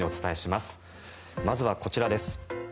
まずはこちらです。